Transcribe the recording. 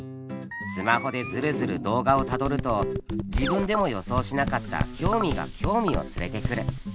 スマホでヅルヅル動画をたどると自分でも予想しなかった興味が興味を連れてくる。